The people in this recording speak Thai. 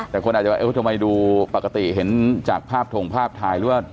แต่คนอาจจะว่าเออทำไมดูปกติเห็นจากภาพถงภาพถ่ายหรือว่า